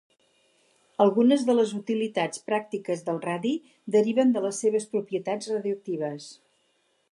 Algunes de les utilitats pràctiques del radi deriven de les seves propietats radioactives.